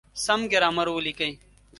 سم ګرامر وليکئ!.